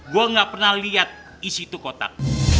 gue gak pernah lihat isi itu kotak